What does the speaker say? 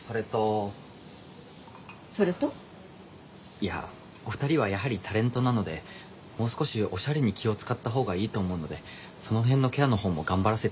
いやお二人はやはりタレントなのでもう少しオシャレに気を遣った方がいいと思うのでその辺のケアの方も頑張らせて頂けたらと。